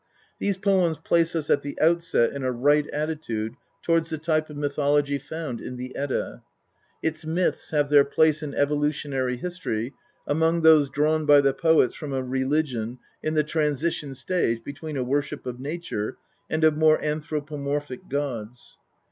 These poems place us at the outset in a right attitude towards the type of mythology found in the Edda : its myths have their place in evolutionary history among those drawn by the poets from a religion in the transition stage between a worship of nature and of more anthropomorphic gods.